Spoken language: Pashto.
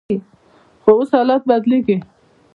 خو اوس حالات بدلیږي.